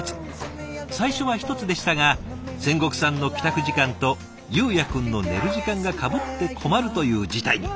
最初は１つでしたが仙石さんの帰宅時間と悠也くんの寝る時間がかぶって困るという事態に。